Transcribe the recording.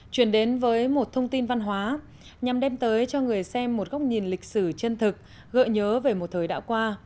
chuyển đến với một thông tin văn hóa nhằm đem tới cho người xem một góc nhìn lịch sử chân thực gợi nhớ về một thời đã qua